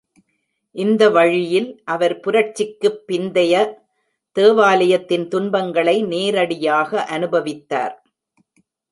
இந்த வழியில் அவர் புரட்சிக்குப் பிந்தைய தேவாலயத்தின் துன்பங்களை நேரடியாக அனுபவித்தார்.